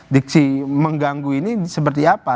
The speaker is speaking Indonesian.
diksi mengganggu ini seperti apa